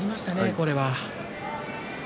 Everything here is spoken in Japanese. これは。